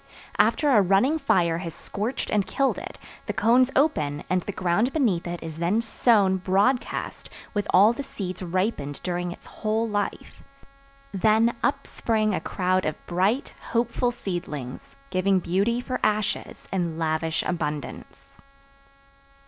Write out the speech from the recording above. After a running fire has scorched and killed it the cones open and the ground beneath it is then sown broadcast with all the seeds ripened during its whole life. Then up spring a crowd of bright, hopeful seedlings, giving beauty for ashes in lavish abundance.